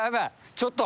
ちょっと。